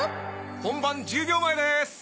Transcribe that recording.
本番１０秒前です！